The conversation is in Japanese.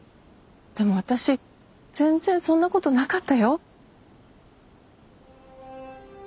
でも私全然そんなことなかったよ。